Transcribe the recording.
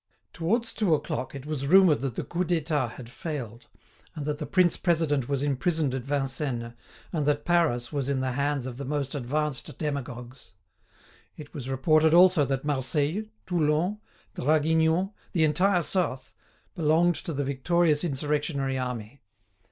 Towards two o'clock it was rumoured that the Coup d'État had failed, that the prince president was imprisoned at Vincennes, and that Paris was in the hands of the most advanced demagogues. It was reported also that Marseilles, Toulon, Draguignan, the entire South, belonged to the victorious insurrectionary army.